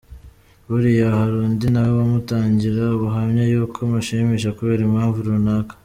Buriya harundi nawe wamutangira ubuhamya yuko amushimisha kubera impamvu runaka.